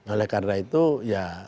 oleh karena itu ya